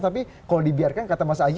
tapi kalau dibiarkan kata mas aji